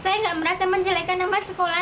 saya nggak merasa menjelekan sama sekolah